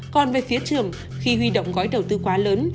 còn về phía trường khi huy động gói đầu tư quá lớn